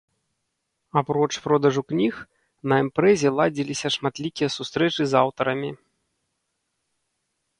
Апроч продажу кніг на імпрэзе ладзіліся шматлікія сустрэчы з аўтарамі.